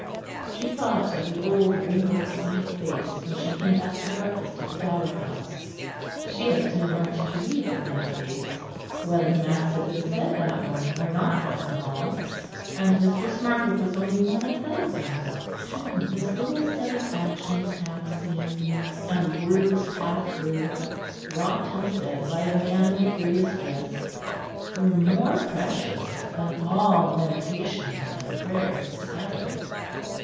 She thought of the old wrinkled quiet face when she came back to breakfast at the Dower House: she had soon learnt to read from that face whether mass had been said that morning or not at the Hall. And Mistress Margaret was only one of thousands to whom this little set of actions half seen and words half heard, wrought and said by a man in a curious dress, were more precious than all meditation and prayer put together.